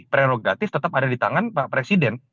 prerogatif tetap ada di tangan pak presiden